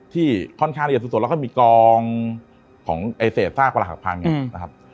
ที่ค่อนข้างเรียนสุดแล้วก็มีกองของเศษศาสตร์กระหับพังนะครับ